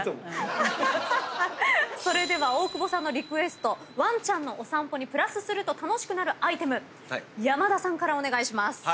それでは大久保さんのリクエストワンちゃんのお散歩にプラスすると楽しくなるアイテム山田さんからお願いします。